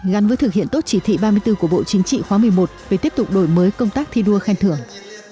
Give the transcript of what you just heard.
gắn với thực hiện tốt chỉ thị ba mươi bốn của bộ chính trị khóa một mươi một về tiếp tục đổi mới công tác thi đua khen thưởng